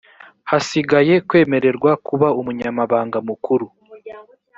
hasigaye kwemererwa kuba umunyamabanga mukuru